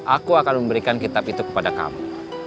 aku akan memberikan kitab itu kepada kamu